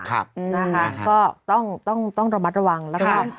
นะคะก็ต้องระมัดระวังนะคะ